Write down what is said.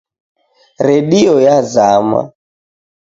Redio yazama.